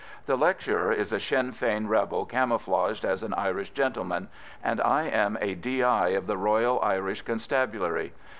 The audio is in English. The lecturer is a Sinn Fein rebel camouflaged as an Irish gentleman, and I am a D.I. of the Royal Irish Constabulary.